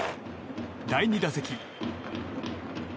第２打席。